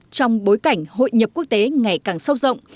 trong bối cảnh hội nhập quốc tế ngày càng sâu rộng